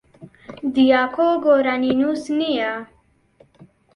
دیاکۆ گۆرانینووس نییە.